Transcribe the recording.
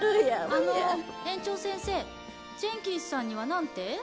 あの園長先生ジェンキンスさんには何て？